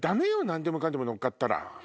何でもかんでも乗っかったら。